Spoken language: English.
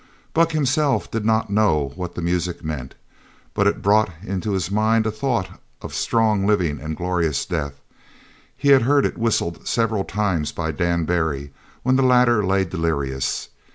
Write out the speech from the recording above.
Buck himself did not know what the music meant, but it brought into his mind a thought of strong living and of glorious death. He had heard it whistled several times by Dan Barry when the latter lay delirious.